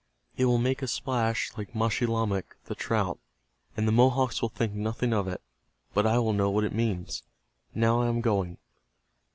It will make a splash like Maschilamek, the trout, and the Mohawks will think nothing of it. But I will know what it means. Now I am going."